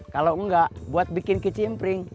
kalau enggak buat bikin kecimpring